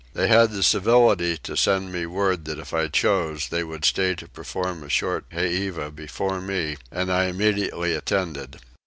They had the civility to send me word that if I chose they would stay to perform a short heiva before me; and I immediately attended.